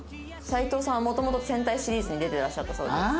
斉藤さんはもともと戦隊シリーズに出てらっしゃったそうです。